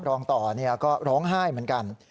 รองต่อก็ร้องไห้เหมือนกัน